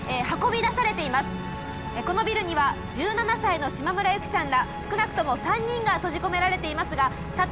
このビルには１７歳の島村由希さんら少なくとも３人が閉じ込められていますがたった